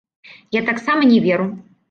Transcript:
Я таксама не веру.